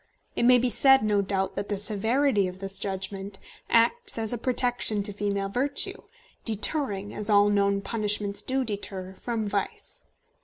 It may be said, no doubt, that the severity of this judgment acts as a protection to female virtue, deterring, as all known punishments do deter, from vice.